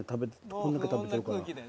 これだけ食べてるから。